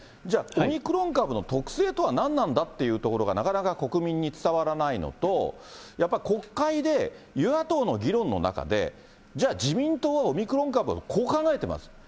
じゃあ、オミクロン株の特性とは何なんだっていうところがなかなか国民に伝わらないのと、やっぱ国会で与野党の議論の中で、じゃあ、自民党はオミクロン株をこう考えてます。